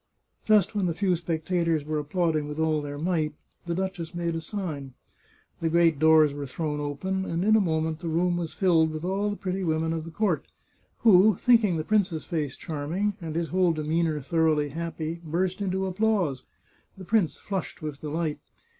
Just when the few spectators were applauding with all their might, the duchess made a sign ; the great doors were thrown open, and in a moment the room was filled with all the pretty women of the court, who, thinking the prince's face charming, and his whole demeanour thoroughly happy, burst into applause. The prince flushed with delight.